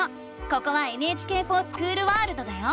ここは「ＮＨＫｆｏｒＳｃｈｏｏｌワールド」だよ！